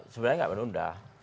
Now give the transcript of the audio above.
sebenarnya enggak menunda